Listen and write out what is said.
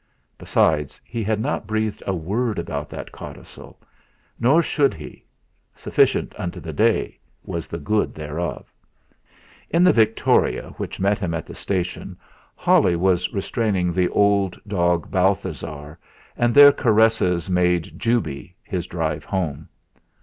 Besides, he had not breathed a word about that codicil, nor should he sufficient unto the day was the good thereof. In the victoria which met him at the station Holly was restraining the dog Balthasar, and their caresses made 'jubey' his drive home.